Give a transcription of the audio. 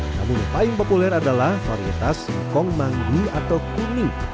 namun yang paling populer adalah varietas kong manggi atau kuning